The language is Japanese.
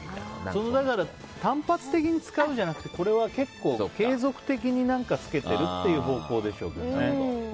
その単発的に使うんじゃなくてこれは結構継続的につけてるっていう方向でしょうけど。